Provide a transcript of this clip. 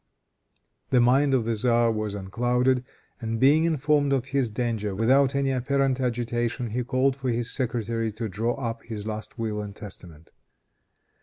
The mind of the tzar was unclouded, and being informed of his danger, without any apparent agitation he called for his secretary to draw up his last will and testament.